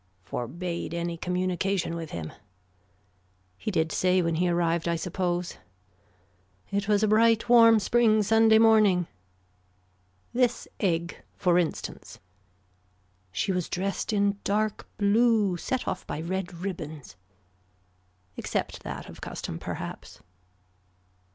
Forbade any communication with him. He did say when he arrived I suppose. It was a bright warm spring Sunday morning. This egg for instance. She was dressed in dark blue set off by red ribbons. Except that of custom perhaps.